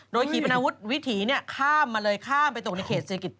โดยขี่ปนาวุธวิถีข้ามมาเลยข้ามไปตกในเขตเศรษฐกิจ